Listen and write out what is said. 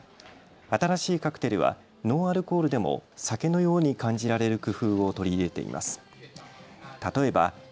新しいカクテルはノンアルコールでも酒のように感じられる工夫を取り入れています。